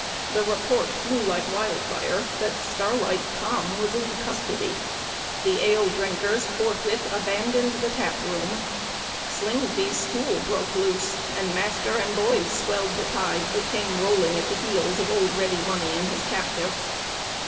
The report flew like wildfire that Starlight Tom was in custody. The ale drinkers forthwith abandoned the tap room; Slingsby's school broke loose, and master and boys swelled the tide that came rolling at the heels of old Ready Money and his captive.